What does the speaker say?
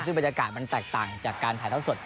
ซึ่งบรรยากาศมันแตกต่างจากการถ่ายเท้าสด